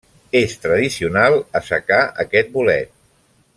És tradicional assecar aquest bolet.